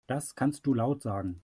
Das kannst du laut sagen.